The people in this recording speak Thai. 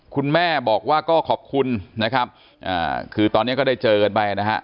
คุณแม่บอกว่าก็ขอบคุณนะครับคือตอนนี้ก็ได้เจอกันไปนะฮะ